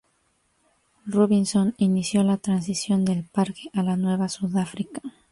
Robinson inició la transición del parque a la nueva Sudáfrica.